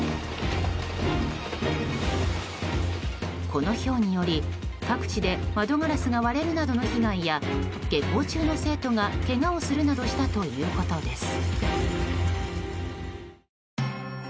このひょうにより、各地で窓ガラスが割れるなどの被害や下校中の生徒がけがをするなどしたということです。